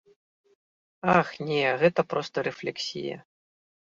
Ах, не, гэта проста рэфлексія.